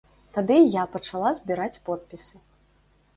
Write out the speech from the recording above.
Тады я і пачала збіраць подпісы.